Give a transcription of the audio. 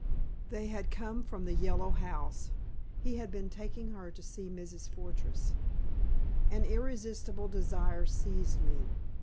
They had come from the Yellow House; he had been taking her to see Mrs. Fortress. An irresistible desire seized me.